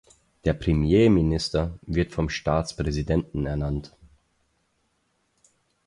Der Premierminister wird vom Staatspräsidenten ernannt.